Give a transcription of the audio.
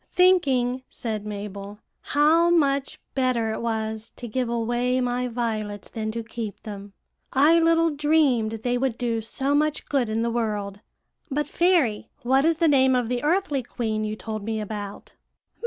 "'Thinking,' said Mabel, 'how much better it was to give away my violets than to keep them. I little dreamed they would do so much good in the world. But, fairy, what is the name of the earthly queen you told me about?'